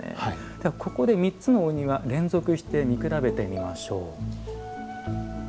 ではここで３つのお庭連続して見比べてみましょう。